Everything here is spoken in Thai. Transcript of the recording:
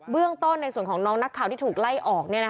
เบื้องต้นในส่วนของน้องนักข่าวที่ถูกไล่ออกเนี่ยนะคะ